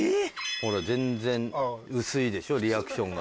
ほら全然薄いでしょリアクションが。